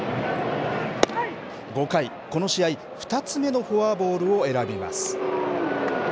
５回、この試合２つ目のフォアボールを選びます。